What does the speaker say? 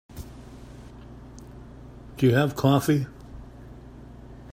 Do you have coffee?